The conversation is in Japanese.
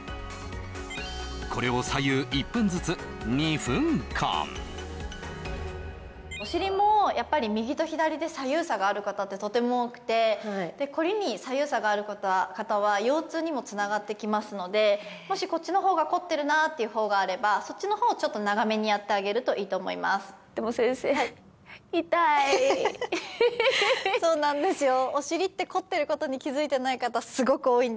これを左右１分ずつ２分間お尻もやっぱり右と左で左右差がある方ってとても多くてこりに左右差がある方は腰痛にもつながってきますのでもし「こっちのほうがこってるな」っていうほうがあればそっちのほうちょっと長めにやってあげるといいと思いますでもヒヒヒそうなんですよ